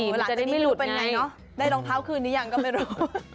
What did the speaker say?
วันหลังนี้มันลุดอย่างไรได้รองเท้าคืนนี้อย่างก็ไม่รู้